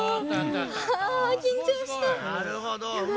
なるほど。